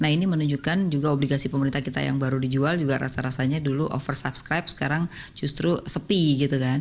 nah ini menunjukkan juga obligasi pemerintah kita yang baru dijual juga rasa rasanya dulu oversubscribe sekarang justru sepi gitu kan